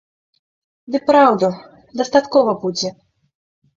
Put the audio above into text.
Ды праўду, дастаткова будзе.